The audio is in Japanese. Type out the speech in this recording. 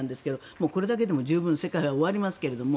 もうこれだけで十分世界は終わりますけども。